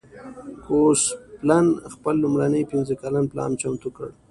ګوسپلن خپل لومړنی پنځه کلن پلان چمتو کړ.